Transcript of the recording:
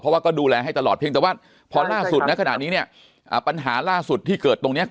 ใช่ผมดูแลตลอดครับแล้วมีรถให้ใช้ตลอดเลยครับ